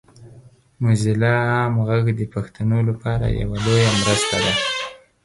موزیلا عام غږ د پښتو لپاره یوه لویه مرسته ده.